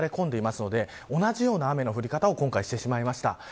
そのため同じような降り方を今回、してしまいました。